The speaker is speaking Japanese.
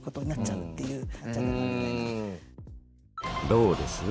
どうです？